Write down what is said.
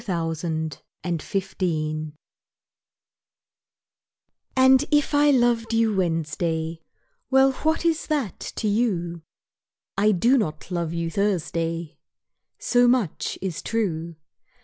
Thursday And if I loved you Wednesday, Well, what is that to you? I do not love you Thursday So much is true.